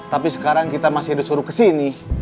tapi sekarang kita masih disuruh kesini